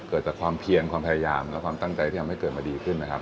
เกิดจากความเพียรความพยายามและความตั้งใจที่ทำให้เกิดมาดีขึ้นนะครับ